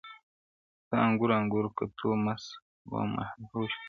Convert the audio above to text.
• ستا انګور انګور کتو مست و مدهوش کړم,